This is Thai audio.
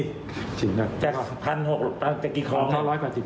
แต่ทั้งกี่คลองกันเนี่ย